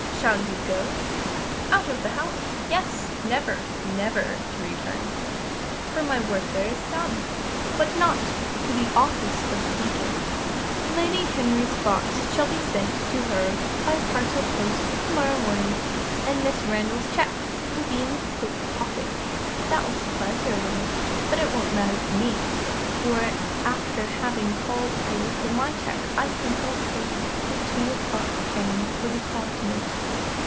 "Shall you go?" "Out of the house, yes never, never to return, for my work there is done. But not to the office of The Beacon. Lady Henry's box shall be sent to her by parcel post to morrow morning, and Mrs. Randall's cheque will be in the coat pocket. That will surprise her a little, but it won't matter to me; for, after having called here for my cheque, I think I'll take the two o'clock train for the Continent.